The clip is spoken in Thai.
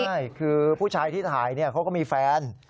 ใช่คือผู้ชายที่ถ่ายเขาก็มีแฟน